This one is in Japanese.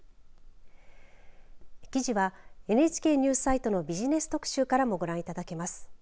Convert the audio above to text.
記事はＮＨＫニュースサイトのビジネス特集からもご覧いただけます。